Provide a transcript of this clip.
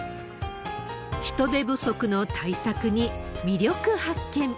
人手不足の対策に魅力発見。